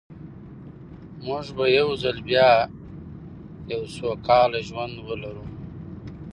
موږ به یو ځل بیا یو سوکاله ژوند ولرو.